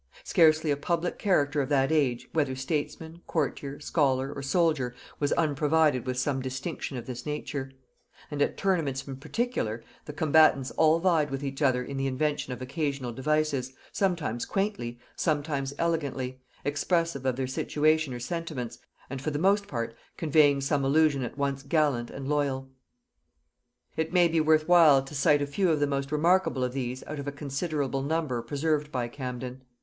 Scarcely a public character of that age, whether statesman, courtier, scholar, or soldier, was unprovided with some distinction of this nature; and at tournaments in particular, the combatants all vied with each other in the invention of occasional devices, sometimes quaintly, sometimes elegantly, expressive of their situation or sentiments, and for the most part conveying some allusion at once gallant and loyal. It may be worth while to cite a few of the most remarkable of these out of a considerable number preserved by Camden.